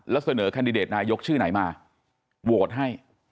แล้วเสนอแคนดิเดตนายกชื่อไหนมาโหวตให้